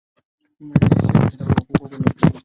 তো, আমার সাথে আবার কখন ব্যস্ত থাকার ইচ্ছা আছে?